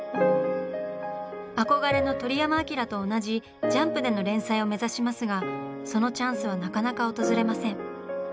憧れの鳥山明と同じ「ジャンプ」での連載を目指しますがそのチャンスはなかなか訪れません。